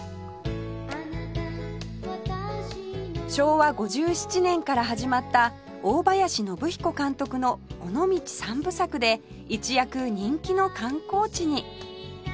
昭和５７年から始まった大林宣彦監督の「尾道三部作」で一躍人気の観光地に